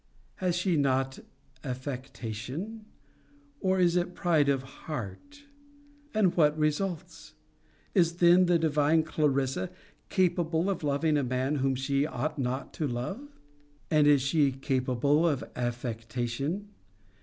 Has she not affectation? Or is it pride of heart?' And what results? 'Is then the divine Clarissa capable of loving a man whom she ought not to love? And is she capable of affectation?